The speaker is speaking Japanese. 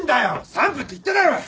３分って言っただろうが！